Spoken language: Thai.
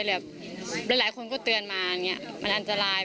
หลายคนก็เตือนมามันอันตราย